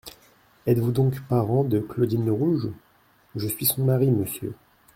Êtes-vous donc parent de Claudine Lerouge ? Je suis son mari, monsieur.